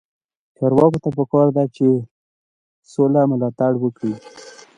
چارواکو ته پکار ده چې، سوله ملاتړ وکړي.